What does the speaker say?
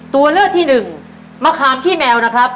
ตัวเลือกที่หนึ่งมะขามขี้แมวนะครับ